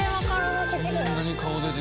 こんなに顔出て。